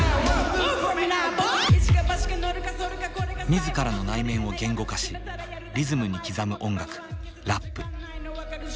自らの内面を言語化しリズムに刻む音楽ラップ。